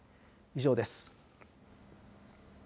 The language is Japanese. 以上です。